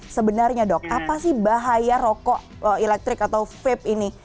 sebenarnya dok apa sih bahaya rokok elektrik atau vape ini